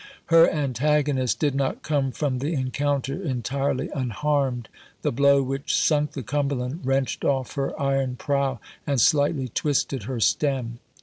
Her antagonist did not come from the encounter entirely unharmed. The blow which sunk the Cumberland wrenched off her iron prow and slightly twisted her stem.